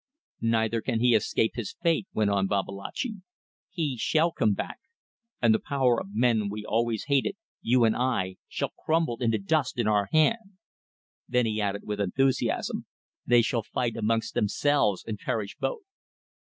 "Neither can he escape his fate," went on Babalatchi. "He shall come back, and the power of men we always hated, you and I, shall crumble into dust in our hand." Then he added with enthusiasm, "They shall fight amongst themselves and perish both."